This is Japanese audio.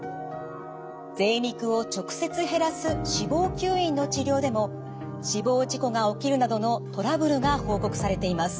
ぜい肉を直接減らす脂肪吸引の治療でも死亡事故が起きるなどのトラブルが報告されています。